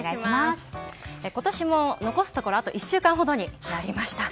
今年も残すところあと１週間ほどになりました。